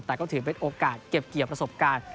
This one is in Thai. แต่ก็ถือเป็นโอกาสเก็บเกี่ยวประสบการณ์